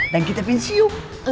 dan kita pinsiu